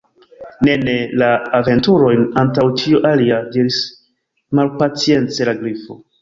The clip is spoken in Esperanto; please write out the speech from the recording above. "Ne, ne! la aventurojn antaŭ ĉio alia," diris malpacience la Grifo.